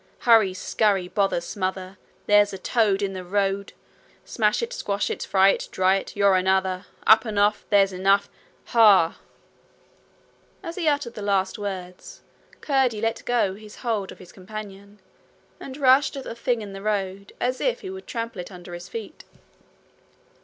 Hurry! scurry! Bother! smother! There's a toad In the road! Smash it! Squash it! Fry it! Dry it! You're another! Up and off! There's enough! Huuuuuh!' As he uttered the last words, Curdie let go his hold of his companion, and rushed at the thing in the road as if he would trample it under his feet.